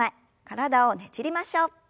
体をねじりましょう。